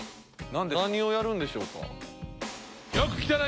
何をやるんでしょうか？